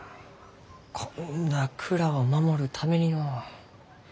こんな蔵を守るためにのう。